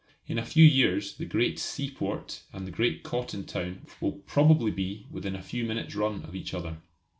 In a few years the great seaport and the great cotton town will probably be within a few minutes' run of each other.